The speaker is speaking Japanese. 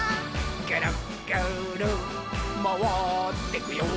「ぐるぐるまわってくよ」